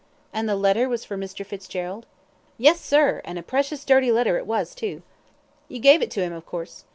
"And the letter was for Mr. Fitzgerald?" "Yes, sir; and a precious dirty letter it was, too." "You gave it to him, of course?"